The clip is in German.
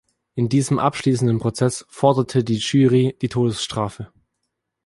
In diesem abschließenden Prozess forderte die Jury die Todesstrafe.